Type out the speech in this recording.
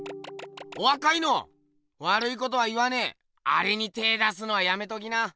お若いのわるいことは言わねえアレに手ぇ出すのはやめときな。